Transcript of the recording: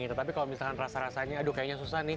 tetapi kalau misalkan rasa rasanya aduh kayaknya susah nih